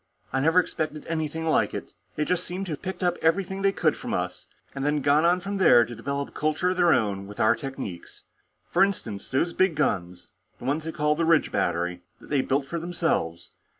I never expected anything like it. They just seem to have picked up everything they could from us, and then gone on from there to develop a culture of their own with our techniques. For instance, those big guns, the ones they call the Ridge Battery, that they built for themselves.